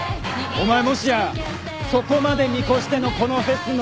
お前もしやそこまで見越してのこのフェスの参加だったのか？